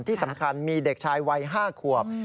ที่สำคัญมีเด็กชายวัย๕ขวบ